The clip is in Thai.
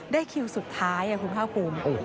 ได้คิวสุดท้ายครับคุณผ้าภูมิ